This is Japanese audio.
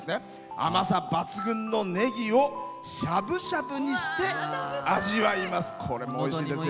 甘さ抜群のネギをしゃぶしゃぶにして味わいます。